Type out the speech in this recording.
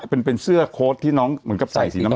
แต่หนูจะเอากับน้องเขามาแต่ว่า